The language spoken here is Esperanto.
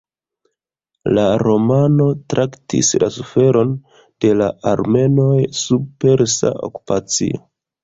La romano traktis la suferon de la armenoj sub persa okupacio.